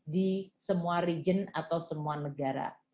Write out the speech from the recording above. di semua region atau semua negara